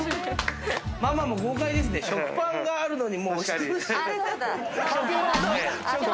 ママも豪快ですね、食パンがあるのに。